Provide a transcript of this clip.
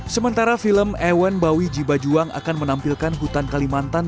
sementara film ewen bawi jibajuang akan menampilkan hutan kalimantan